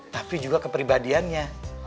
tapi juga kepribadiannya